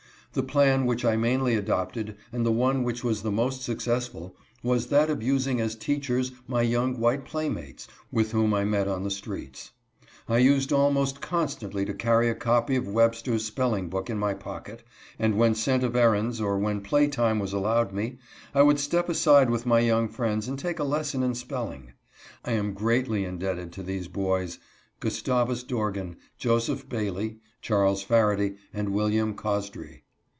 The plan which I mainly adopted, and the one which was the most successful, was that of using as teachers my young white playmates, with whom I met on the streets. I used almost constantly to carry a copy of 102 HE IS THIRTEEN YEARS OLD. Webster's spelling book in my pocket, and when sent of errands, or when play time was allowed me, I would step aside with my young friends and take a lesson in spelling. I am greatly indebted to these boys — Gustavus Dorgan, Joseph Bailey, Charles Farity, and William Cosdry.